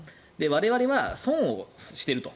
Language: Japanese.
我々は損をしてきたと。